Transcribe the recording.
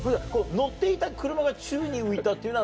「乗っていた車が宙に浮いた⁉」っていうのは。